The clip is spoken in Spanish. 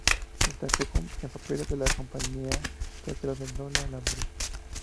Destacó en papeles en la compañía teatral de Lola Membrives.